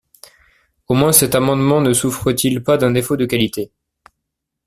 Au moins cet amendement ne souffre-t-il pas d’un « défaut de qualité ».